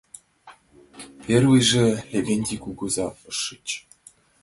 Первыйже Левентей кугыза ыш шич: